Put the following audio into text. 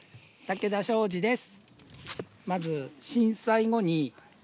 武田将司です。